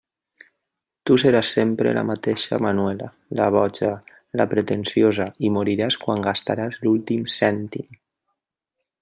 Tu seràs sempre la mateixa Manuela, la boja, la pretensiosa, i moriràs quan gastaràs l'últim cèntim.